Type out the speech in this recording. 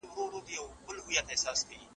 ما به وینې ما به اورې زه به ستا مینه تنها یم